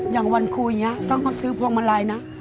อย่างวันคุยอย่างนี้ต้องมาซื้อพวงมาลัยนะ